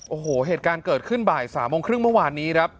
โอ้โหเหตุการณ์เกิดขึ้นบ่าย๓โมงครึ่งเมื่อวานนี้ครับ